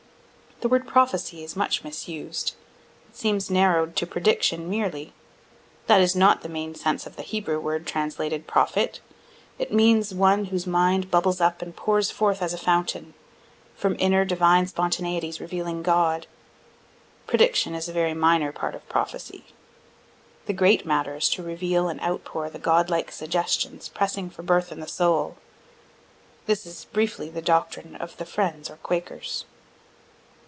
(The word prophecy is much misused; it seems narrow'd to prediction merely. That is not the main sense of the Hebrew word translated "prophet;" it means one whose mind bubbles up and pours forth as a fountain, from inner, divine spontaneities revealing God. Prediction is a very minor part of prophecy. The great matter is to reveal and outpour the God like suggestions pressing for birth in the soul. This is briefly the doctrine of the Friends or Quakers.)